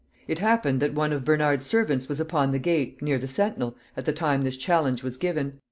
It happened that one of Bernard's servants was upon the gate, near the sentinel, at the time this challenge was given.